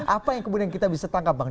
apa yang kemudian kita bisa tangkap bang